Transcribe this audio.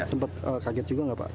sempat kaget juga nggak pak